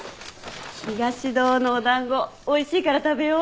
ひがし堂のお団子おいしいから食べよう。